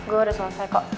gue udah selesai kok